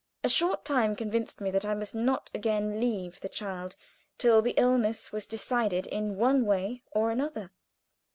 A short time convinced me that I must not again leave the child till the illness was decided in one way or another.